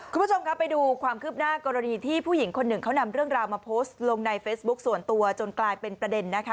คุณผู้ชมครับไปดูความคืบหน้ากรณีที่ผู้หญิงคนหนึ่งเขานำเรื่องราวมาโพสต์ลงในเฟซบุ๊คส่วนตัวจนกลายเป็นประเด็นนะคะ